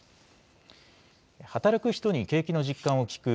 働く人に景気の実感を聞く